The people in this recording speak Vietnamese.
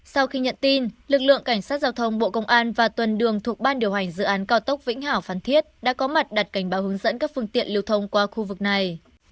sau khi nhận tin lực lượng cảnh sát giao thông bộ công an và tuần đường thuộc ban điều hành dự án cao tốc vĩnh hảo phan thiết đã có mặt đặt cảnh báo hướng dẫn các phương tiện liều thông qua khu vực này